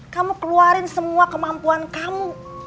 kamu keluarin semua kemampuan kamu